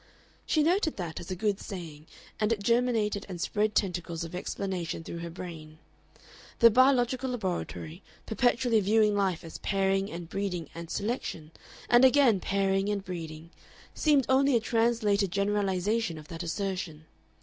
She noted that as a good saying, and it germinated and spread tentacles of explanation through her brain. The biological laboratory, perpetually viewing life as pairing and breeding and selection, and again pairing and breeding, seemed only a translated generalization of that assertion.